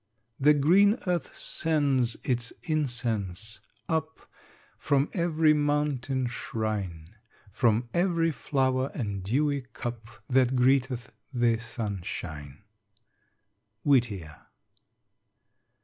The green earth sends its incense up From every mountain shrine, From every flower and dewy cup That greeteth the sunshine. _Whittier.